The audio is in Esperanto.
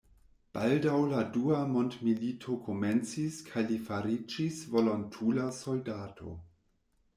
Baldaŭ la dua mond-milito komencis kaj li fariĝis volontula soldato.